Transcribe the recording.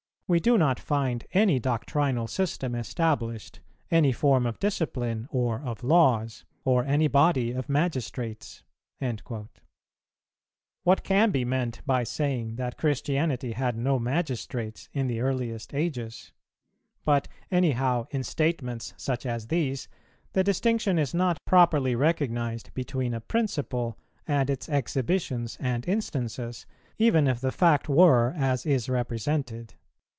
We do not find any doctrinal system established, any form of discipline or of laws, or any body of magistrates."[360:2] What can be meant by saying that Christianity had no magistrates in the earliest ages? but, any how, in statements such as these the distinction is not properly recognized between a principle and its exhibitions and instances, even if the fact were as is represented.